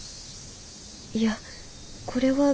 いやこれは幻聴！？